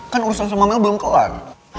kan urusan sama mel belum kelar